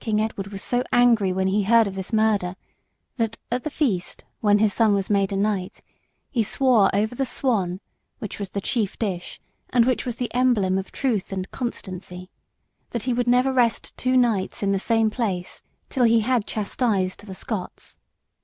King Edward was so angry when he heard of this murder, that at the feast, when his son was made a knight, he swore over the swan, which was the chief dish and which was the emblem of truth and constancy, that he would never rest two nights in the same place till he had chastised the Scots.